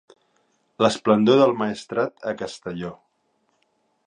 L'esplendor del Maestrat a Castelló.